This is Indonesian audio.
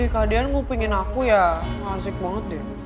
kadean nguping in aku gak asik banget deh